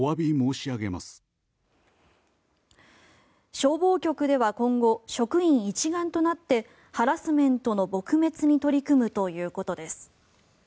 消防局では今後職員一丸となってハラスメントの撲滅に取り組むということです。